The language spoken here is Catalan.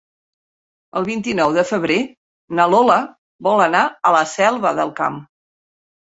El vint-i-nou de febrer na Lola vol anar a la Selva del Camp.